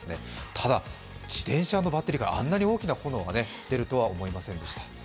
ただ、自転車のバッテリーからあいなに大きな炎が出るとは思いませんでした。